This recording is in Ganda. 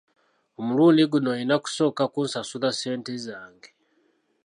Omulundi guno olina kusooka kunsasula ssente zange.